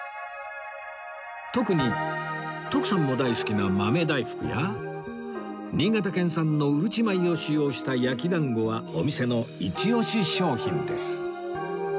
特に徳さんも大好きな豆大福や新潟県産のうるち米を使用した焼き団子はお店のイチオシ商品です